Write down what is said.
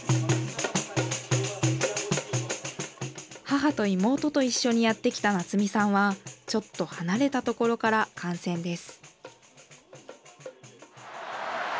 母と妹と一緒にやって来た夏美さんはちょっと離れた所から観戦です。